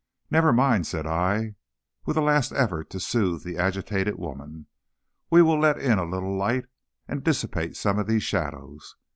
"Never mind," said I, with a last effort to soothe the agitated woman. "We will let in a little light, and dissipate some of these shadows."